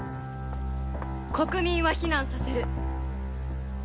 国民は避難させる。